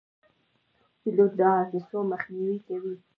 پیلوټ د حادثو مخنیوی کوي.